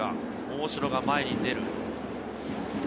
大城が前に出る。